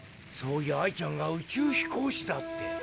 そういやアイちゃんが「宇宙飛行士だ」って。